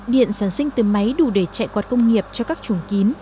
điện sản sinh từ máy đủ để chạy quạt công nghiệp cho các chuồng kín